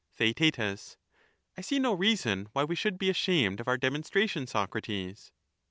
Theaet. I see no reason why we should be ashamed of our demonstration, Socrates.